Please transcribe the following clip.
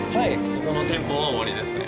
ここの店舗は終わりですね。